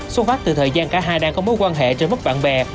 xuất phát từ thời gian cả hai đang có mối quan hệ trên mất bạn bè